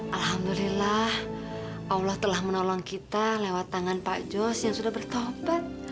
alhamdulillah allah telah menolong kita lewat tangan pak jos yang sudah bertobat